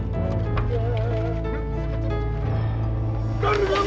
terima kasih bu